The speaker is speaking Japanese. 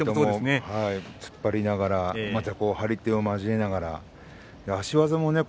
突っ張りながら張り手を交えながら足技もね